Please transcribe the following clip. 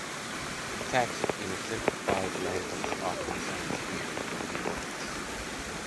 Texts in a simplified language often sound weird or meaningless.